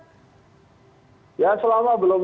ya selama belum